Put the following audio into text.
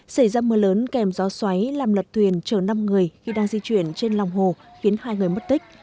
xảy ra mưa lớn kèm gió xoáy làm lật thuyền chờ năm người khi đang di chuyển trên lòng hồ khiến hai người mất tích